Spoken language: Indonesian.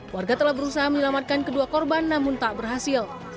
warga telah berusaha menyelamatkan kedua korban namun tak berhasil